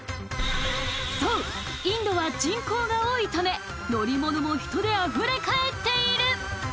そうインドは人口が多いため乗り物も人であふれかえっている！